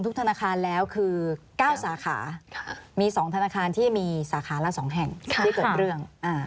ธนาคารแล้วคือ๙สาขามี๒ธนาคารที่มีสาขาละ๒แห่งที่เกิดเรื่อง